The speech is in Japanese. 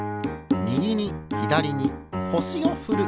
みぎにひだりにこしをふる。